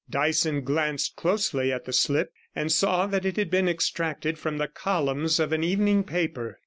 Dyson glanced closely at the slip, and saw that it had been extracted from the columns of an evening paper.